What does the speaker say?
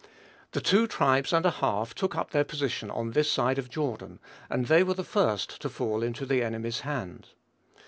The two tribes and a half took up their position on this side of Jordan, and they were the first to fall into the enemy's hand.